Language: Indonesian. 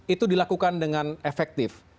itu dilakukan dengan efektif